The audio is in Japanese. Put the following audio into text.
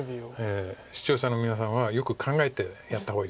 視聴者の皆さんはよく考えてやった方がいいです。